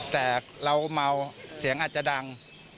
แต่เราเมาเสียงอาจจะดัง